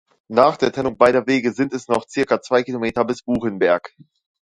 Nach der Trennung beider Wege sind es noch zirka zwei Kilometer bis Buchenberg.